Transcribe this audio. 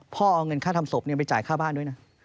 เอาเงินค่าทำศพไปจ่ายค่าบ้านด้วยนะ